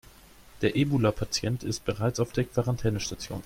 Der Ebola-Patient ist bereits auf der Quarantänestation.